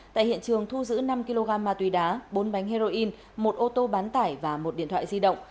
tại hiện trường thu giữ năm kg ma túy đá bốn bánh heroin một ô tô bán tải và một điện thoại di động